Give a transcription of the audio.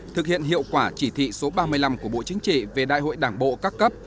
thực hiện hiệu quả chỉ thị số ba mươi năm của bộ chính trị về đại hội đảng bộ các cấp